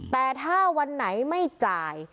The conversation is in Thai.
แต่ถ้าวันไหนไม่จ่าย